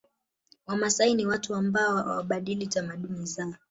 Wamasai ni watu wa ambao hawabadili tamaduni zao